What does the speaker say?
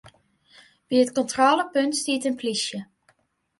By it kontrôlepunt stiet in plysje.